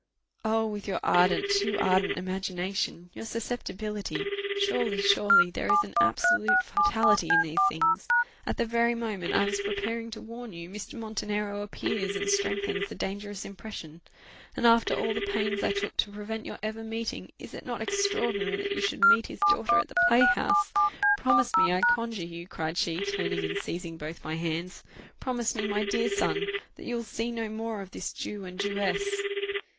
Oh! with your ardent, too ardent imagination your susceptibility! Surely, surely, there is an absolute fatality in these things! At the very moment I was preparing to warn you, Mr. Montenero appears, and strengthens the dangerous impression. And after all the pains I took to prevent your ever meeting, is it not extraordinary that you should meet his daughter at the playhouse? Promise me, I conjure you," cried she, turning and seizing both my hands, "promise me, my dear son, that you will see no more of this Jew and Jewess."